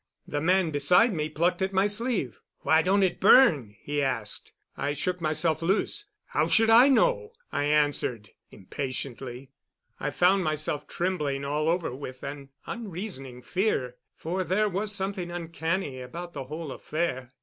The man beside me plucked at my sleeve. "Why don't it burn?" he asked. I shook myself loose. "How should I know?" I answered impatiently. I found myself trembling all over with an unreasoning fear, for there was something uncanny about the whole affair.